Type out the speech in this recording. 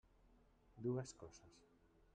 Dues coses.